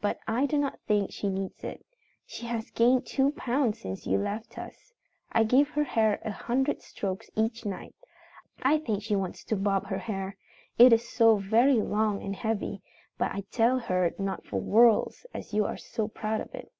But I do not think she needs it. She has gained two pounds since you left us. I give her hair a hundred strokes each night. I think she wants to bob her hair, it is so very long and heavy, but I tell her not for worlds, as you are so proud of it.